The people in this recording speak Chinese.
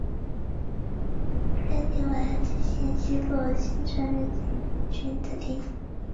落实在检察业务中